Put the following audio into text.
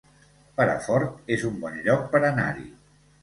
Perafort es un bon lloc per anar-hi